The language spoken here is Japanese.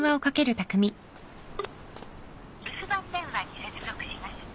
留守番電話に接続します。